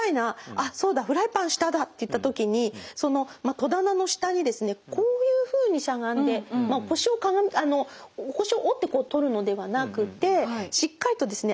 あそうだフライパン下だっていった時に戸棚の下にですねこういうふうにしゃがんで腰をかがめて腰を折ってこう取るのではなくてしっかりとですね